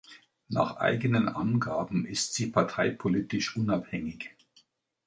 Nach eigenen Angaben ist sie parteipolitisch unabhängig.